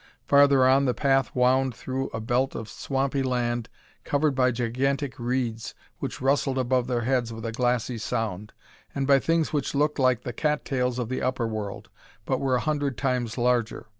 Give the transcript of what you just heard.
Farther on, the path wound through a belt of swampy land covered by gigantic reeds which rustled above their heads with a glassy sound, and by things which looked like the cat tails of the upper world, but were a hundred times larger.